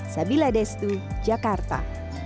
sabila destu jakarta